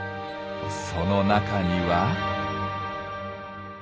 その中には？